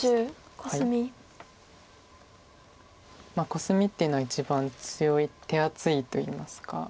コスミっていうのは一番手厚いといいますか。